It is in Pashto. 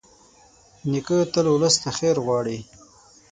نیکه تل ولس ته خیر غواړي.